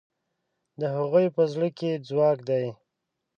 د هغوی په زړه کې ځواک دی.